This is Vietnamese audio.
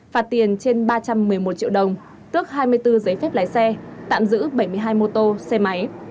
phạt tiền trên ba trăm một mươi một triệu đồng tước hai mươi bốn giấy phép lái xe tạm giữ bảy mươi hai mô tô xe máy